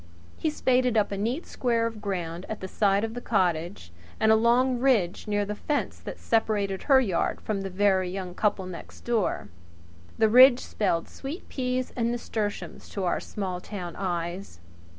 He spaded up a neat square of ground at the side of the cottage and a long ridge near the fence that separated her yard from that of the very young couple next door. The ridge spelled sweet peas and nasturtiums to our small town eyes.